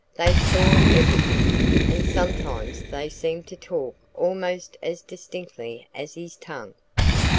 They saw everything, and sometimes they seemed to talk almost as distinctly as his tongue.